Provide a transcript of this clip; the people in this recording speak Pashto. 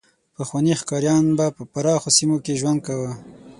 پخواني ښکاریان به په پراخو سیمو کې ژوند کاوه.